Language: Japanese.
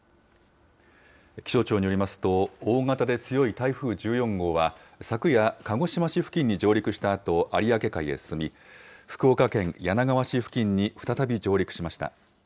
気象庁によりますと、大型で強い台風１４号は昨夜、鹿児島市付近に上陸したあと有明海へ進み、福岡県柳川市付近に再び上陸しました。